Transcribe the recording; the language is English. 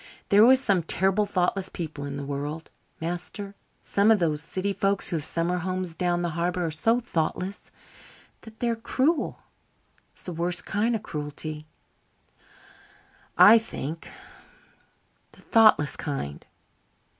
There are some terrible thoughtless people in the world, master. Some of those city folks who have summer homes down the harbour are so thoughtless that they're cruel. It's the worst kind of cruelty, I think the thoughtless kind.